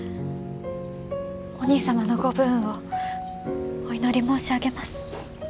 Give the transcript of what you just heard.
お兄様のご武運をお祈り申し上げます。